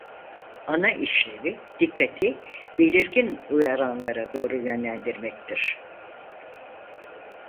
Ana işlevi dikkati belirgin uyaranlara doğru yönlendirmektir.